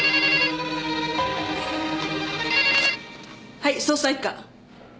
はい捜査一課。